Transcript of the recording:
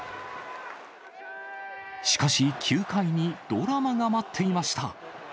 しかし、９回にドラマが待っていました。